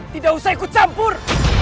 tidak usah ikut campur